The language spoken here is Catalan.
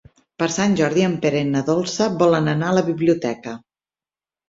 Per Sant Jordi en Pere i na Dolça volen anar a la biblioteca.